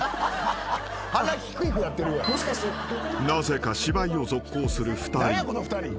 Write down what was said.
［なぜか芝居を続行する２人。